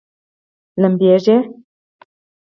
لمبیږي؟